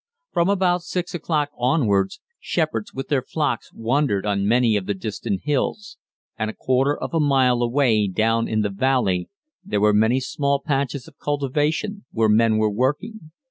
From about 6 o'clock onwards shepherds with their flocks wandered on many of the distant hills, and a quarter of a mile away down in the valley there were many small patches of cultivation, where men were working.